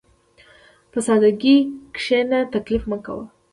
په سادهګۍ کښېنه، تکلف مه کوه.